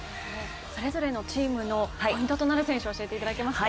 それぞれのチームのポイントとなる選手を教えていただけますか。